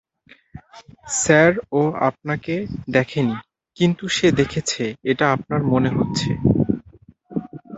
Sir, ও আপনাকে দেখেনি, কিন্তু সে দেখেছে এটা আপনার মনে হচ্ছে।